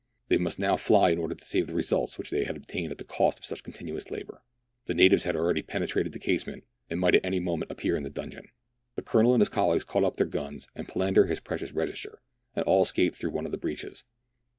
They must now fly in order to save the result which they had obtained at the cost of such continuous labour. The natives had already penetrated the casemate, and might at any moment appear in the donjon. The Colonel and his colleagues caught up their guns, and Palander his precious register, and all escaped through one of the breaches.